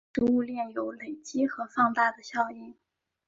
因此食物链有累积和放大的效应。